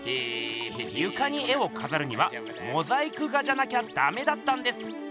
ゆかに絵をかざるにはモザイク画じゃなきゃだめだったんです。